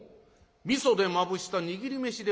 みそでまぶした握り飯ではないか。